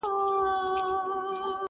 ته پوهیږې د ابا سیوری دي څه سو؟!٫